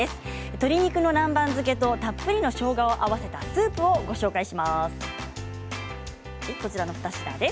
鶏肉の南蛮漬けとたっぷりのしょうがを合わせたスープをご紹介します。